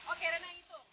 oke rena hitung